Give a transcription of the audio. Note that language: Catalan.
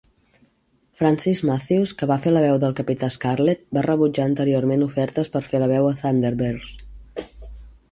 Francis Matthews, que va fer la veu del Capità Scarlet, va rebutjar anteriorment ofertes per fer la veu a "Thunderbirds".